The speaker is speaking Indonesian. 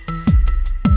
gak ada yang nungguin